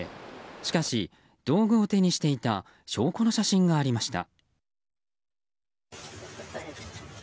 しかし、道具を手にしていた証拠の写真がありました。